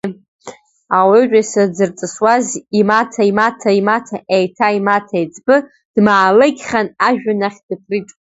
Ауаҩытәыҩса дзырҵысуаз имаҭа имаҭа, имаҭа еиҭа имаҭа еиҵбы дмаалықьхан ажәҩан ахь дыԥрит.